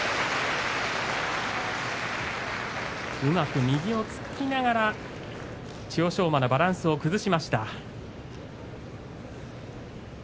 うまく右を突きながら千代翔馬のバランスを崩しました。